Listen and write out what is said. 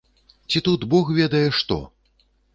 Ці тут бог ведае што?!.